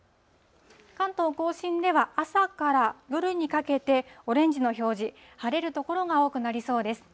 関東甲信では、朝から夜にかけて、オレンジの表示、晴れる所が多くなりそうです。